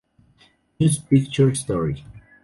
News Picture Story.